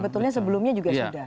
sebetulnya sebelumnya juga sudah